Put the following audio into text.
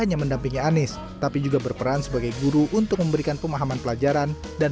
hanya mendampingi anies tapi juga berperan sebagai guru untuk memberikan pemahaman pelajaran dan